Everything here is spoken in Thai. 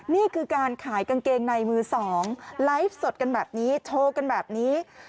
นี่คือการขายกางเกงในมือสองไลฟ์สดกันแบบนี้โชว์กันแบบนี้